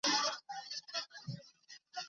羽枝耳平藓为蕨藓科耳平藓属下的一个种。